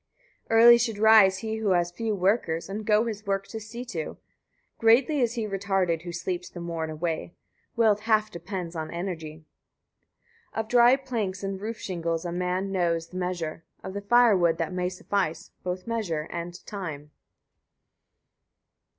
59. Early should rise he who has few workers, and go his work to see to; greatly is he retarded who sleeps the morn away. Wealth half depends on energy. 60. Of dry planks and roof shingles a man knows the measure; of the fire wood that may suffice, both measure and time.